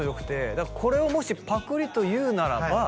「だからこれをもしパクリというならば」